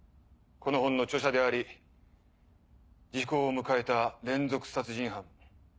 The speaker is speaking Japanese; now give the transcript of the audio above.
この本の著者であり時効を迎えた連続殺人犯。